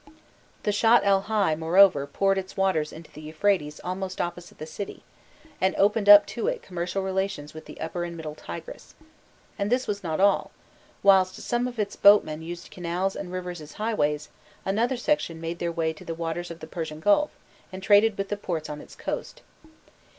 The Shatt el Hai, moreover, poured its waters into the Euphrates almost opposite the city, and opened up to it commercial relations with the Upper and Middle Tigris. And this was not all; whilst some of its boatmen used its canals and rivers as highways, another section made their way to the waters of the Persian Gulf and traded with the ports on its coast.